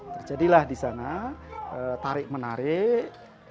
terjadilah di sana tarik menarik